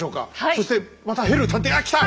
そしてまたヘルー探偵があきた！